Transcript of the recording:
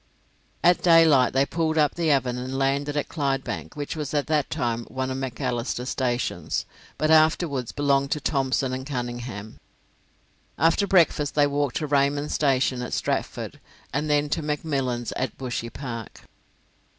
At daylight they pulled up the Avon and landed at Clydebank, which was at that time one of Macalister's stations, but afterwards belonged to Thomson and Cunningham. After breakfast they walked to Raymond's station at Stratford, and then to McMillan's at Bushy Park.